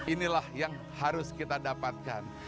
inilah yang harus kita dapatkan